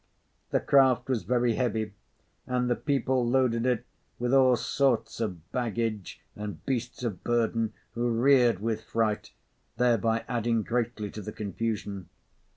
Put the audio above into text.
The craft was very heavy, and the people loaded it with all sorts of baggage, and beasts of burden, who reared with fright, thereby adding greatly to the confusion.